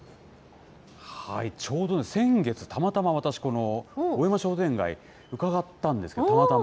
ちょうど先月、たまたま、私、この大山商店街、伺ったんですけど、たまたま。